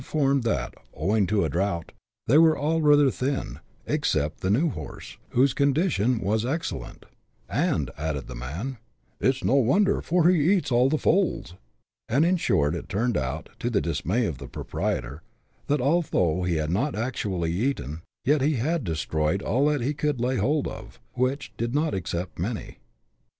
formed that, owing to a drought, they were all rather thin, except the new horse, whose condition was excellent, " and," added the man, " it's no wonder, for he eats all the foals ;" and in short it turned out, to the dismay of the proprietor, that although he had not actually eaten, yet he had destroyed all that he could lay hold of, which did not except many.